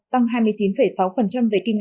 tăng hai mươi chín sáu về kim ngạch